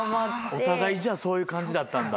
お互いじゃあそういう感じだったんだ。